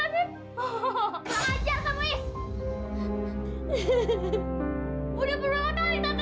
udah berapa kali tak terdampari iis